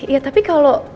iya tapi kalau